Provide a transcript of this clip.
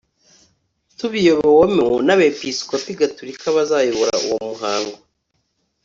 tubiyobowemo n abepiskopi gatolika bazayobora uwo muhango